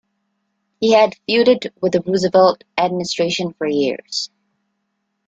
He had feuded with the Roosevelt administration for years.